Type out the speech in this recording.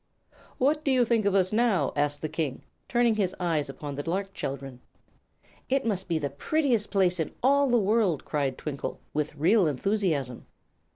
"What do you think of us now?" asked the King, turning his eyes upon the lark children. "It must be the prettiest place in all the world!" cried Twinkle, with real enthusiasm.